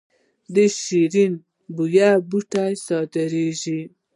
د شیرین بویې بوټی صادریږي